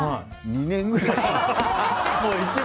２年くらい。